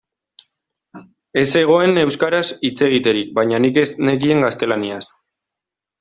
Ez zegoen euskaraz hitz egiterik, baina nik ez nekien gaztelaniaz.